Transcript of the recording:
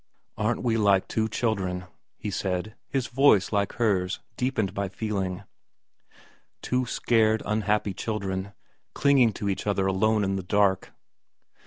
' Aren't we like two children,' he said, his voice, like hers, deepened by feeling, ' two scared, unhappy children, clinging to each other alone in the dark.'